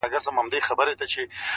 • پردی کسب -